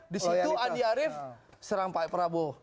di situ andi arief serang pak prabowo